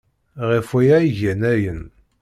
Ɣef waya ay gan ayen.